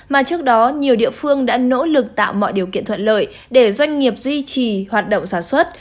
mà trước đó nhiều địa phương đã nỗ lực tạo mọi điều kiện thuận lợi để doanh nghiệp duy trì hoạt động sản xuất